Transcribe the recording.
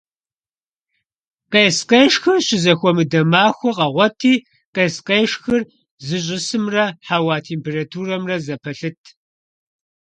Къес-къешхыр щызэхуэмыдэ махуэ къэгъуэти къес-къешхыр зищӀысымрэ хьэуа температурэмрэ зэпэлъыт.